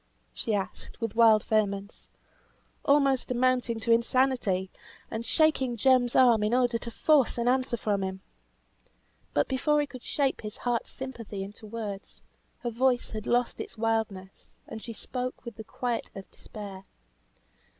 she asked with wild vehemence, almost amounting to insanity, and shaking Jem's arm in order to force an answer from him. But before he could shape his heart's sympathy into words, her voice had lost its wildness, and she spoke with the quiet of despair.